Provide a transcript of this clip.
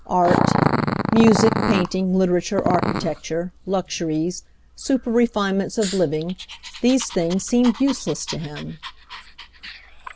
Art — music, painting, literature, architecture — luxuries, super refine ments of living, these things seemed useless to him.